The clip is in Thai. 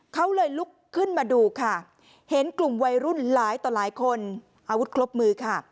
เขาเลยลุกขึ้นมาดูค่ะเห็นกลุ่มวัยรุ่นหลายต่อหลายคนอาวุธครบมือค่ะ